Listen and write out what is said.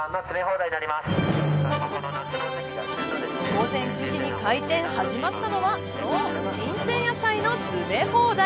午前９時に開店、始まったのはそう、新鮮野菜の詰め放題。